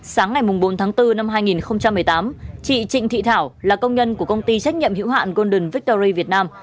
sáng ngày bốn tháng bốn năm hai nghìn một mươi tám chị trịnh thị thảo là công nhân của công ty trách nhiệm hữu hạn golden victory việt nam